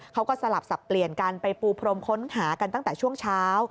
สลับสับเปลี่ยนกันไปปูพรมค้นหากันตั้งแต่ช่วงเช้า